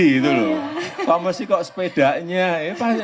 kalau masih kok sepedanya